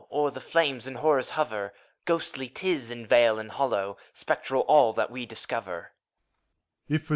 O'er the flames and horrors hover! Ghostly 't is in vale and hollow, Spectral all that we discover.